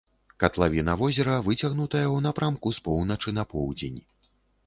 Катлавіна возера выцягнутая ў напрамку з поўначы на поўдзень.